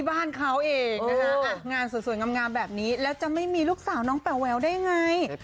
บ้านเขาเองนะคะงานสวยงามแบบนี้แล้วจะไม่มีลูกสาวน้องแป๋วแววได้ไง